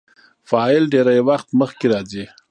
فاعل ډېرى وخت مخکي راځي.